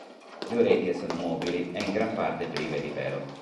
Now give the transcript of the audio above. Le orecchie sono mobili e in gran parte prive di pelo.